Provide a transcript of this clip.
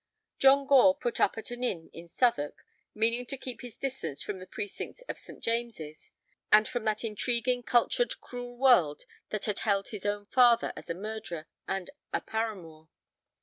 John Gore put up at an inn in Southwark, meaning to keep his distance from the precincts of St. James's, and from that intriguing, cultured, cruel world that had held his own father as a murderer and a paramour.